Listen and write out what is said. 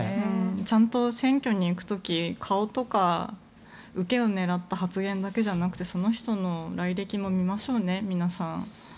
ちゃんと選挙に行く時顔とか受けを狙った発言だけじゃなくてその人の来歴も見ましょうね皆さん。